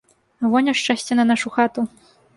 Во няшчасце на нашу хату.